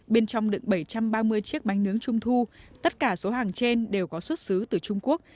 bên trong đựng bảy trăm ba mươi chiếc bánh nướng trung thu tất cả số hàng trên đều có xuất xứ từ trung quốc